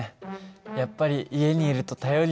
やっぱり家にいると頼りになる。